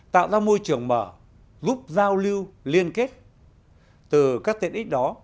tạo ra môi trường mở giúp giao lưu liên kết từ các tiện ích đó